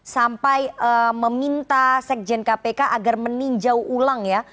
sampai meminta sekjen kpk agar meninjau ulang ya